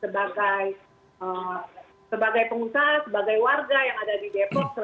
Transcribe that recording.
sebagai warga yang ada di depok selama delapan belas tahun